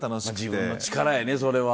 自分の力やねそれは。